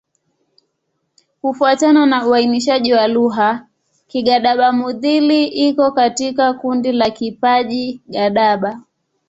Kufuatana na uainishaji wa lugha, Kigadaba-Mudhili iko katika kundi la Kiparji-Gadaba.